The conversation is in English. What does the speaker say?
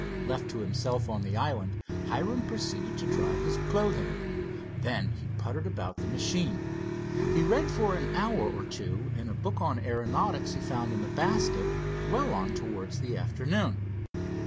Left to himself on the island, Hiram proceeded to dry his clothing. Then he puttered about the machine. He read for an hour or two in a book on aeronautics he found in the basket, well on towards the afternoon.